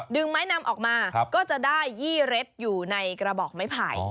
ดึงไม้นำออกมาก็จะได้ยี่เร็ดอยู่ในกระบอกไม้ไผ่